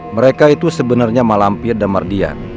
mereka itu sebenarnya mak lampir dan mardian